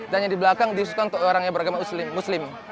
dan yang di belakang dikhususkan untuk orang yang beragama muslim